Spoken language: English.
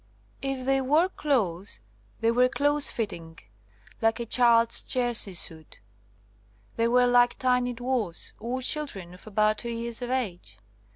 If they wore clothes they were close fitting like a child's jersey suit. They were like tiny dwarfs, or chil 158 SOME SUBSEQUENT CASES dren of about two years of age.